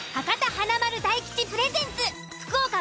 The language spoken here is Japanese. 華丸・大吉プレゼンツ。